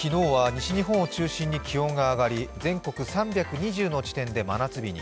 昨日は西日本を中心に気温が上がり全国３２０の地点で真夏日に。